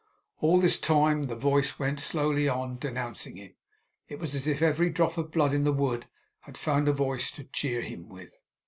All this time the voice went slowly on, denouncing him. It was as if every drop of blood in the wood had found a voice to jeer him with.